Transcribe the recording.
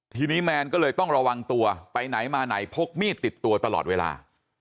ทีนี้แมนก็เลยต้องระวังตัวไปไหนมาไหนพกมีดติดตัวตลอดเวลา